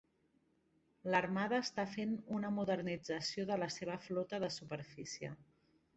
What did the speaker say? L"armada està fent una modernització de la seva flota de superfície.